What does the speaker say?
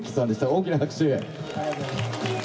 大きな拍手。